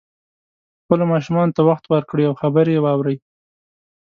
خپلو ماشومانو ته وخت ورکړئ او خبرې یې واورئ